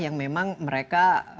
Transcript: yang memang mereka